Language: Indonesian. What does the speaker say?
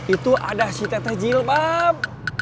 itu ada si teta jilbab